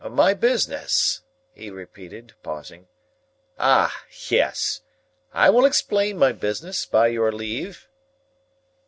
"My business?" he repeated, pausing. "Ah! Yes. I will explain my business, by your leave."